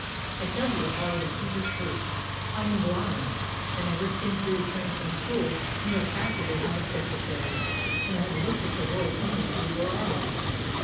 I tell you the hard and bitter truth. I am blind, and ever since your return from school you have acted as my secretary, and I have looked at the world only through your eyes.